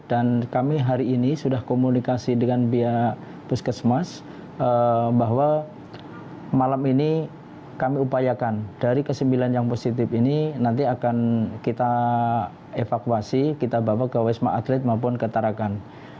dan kami hari ini sudah komunikasi dengan biar puskesmas bahwa malam ini kami upayakan dari ke sembilan yang positif ini nanti akan kita evakuasi kita bawa ke wisma atlet maupun ke tarakan